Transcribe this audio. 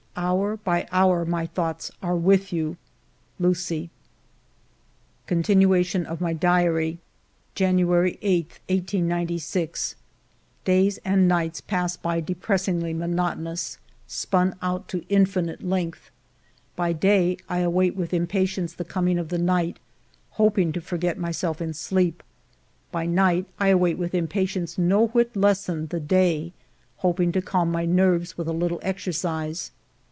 Hour by hour my thoughts are with you. Lucie." Continuation of my Diary January 8, 1896. Days and nights pass by depressingly monoto nous, spun out to infinite length. By day I 192 FIVE YEARS OF MY LIFE await with impatience the coming of the night, hoping to forget myself in sleep. By night, I await with impatience no whit lessened the day, hoping to calm my nerves with a little exercise.